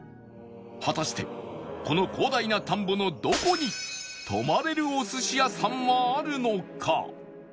果たしてこの広大な田んぼのどこに泊まれるお寿司屋さんはあるのか？